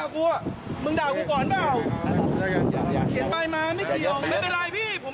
ผมไม่ได้ยก